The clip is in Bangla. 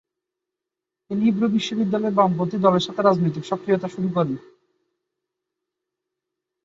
তিনি হিব্রু বিশ্ববিদ্যালয়ের বামপন্থী দলের সাথে রাজনৈতিক সক্রিয়তা শুরু করেন।